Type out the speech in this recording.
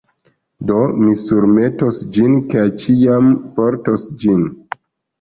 Do mi surmetos ĝin, kaj ĉiam portos ĝin.